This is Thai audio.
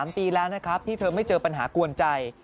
๓ปีแล้วนะครับที่เธอไม่เจอปัญหากวนใจ